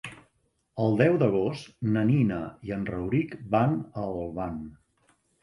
El deu d'agost na Nina i en Rauric van a Olvan.